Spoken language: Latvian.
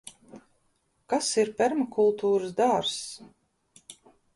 Kas ir permakultūras dārzs?